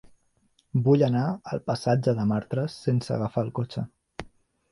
Vull anar al passatge de Martras sense agafar el cotxe.